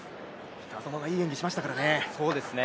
北園がいい演技しましたからね。